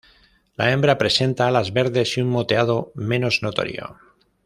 La hembra presenta alas verdes y un moteado menos notorio.